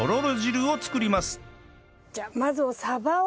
じゃあまず。